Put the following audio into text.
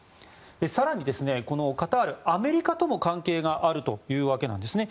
更に、このカタールアメリカとも関係があるというわけなんですね。